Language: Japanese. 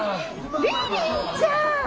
リリーちゃん！